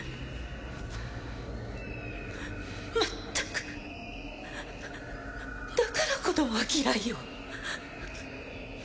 まったくだから子供は嫌いよ